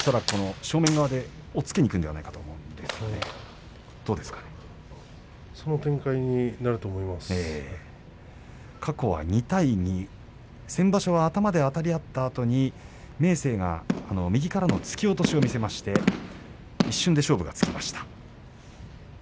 恐らく正面側で押っつけにいくんじゃないかと思いますがその展開になると過去は２対２先場所は頭であたり合ったあと明生が右からの突き落としを見せまして一瞬で勝負がつきました。